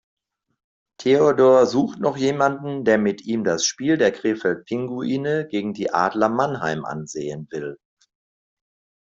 Theodor sucht noch jemanden, der mit ihm das Spiel der Krefeld Pinguine gegen die Adler Mannheim ansehen will.